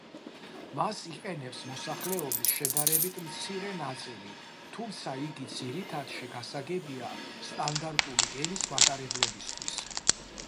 მას იყენებს მოსახლეობის შედარებით მცირე ნაწილი, თუმცა იგი ძირითადში გასაგებია სტანდარტული ენის მატარებლებისთვის.